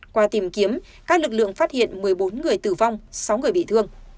qua tìm kiếm các lực lượng phát hiện một mươi bốn người tử vong sáu người bị thương